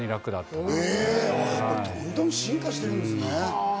どんどん進化してるんですね。